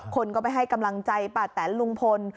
คนก็ไปให้กำลังใจป้าแตนลุงพล